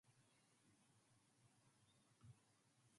His first post was the York region surrounding Yonge Street.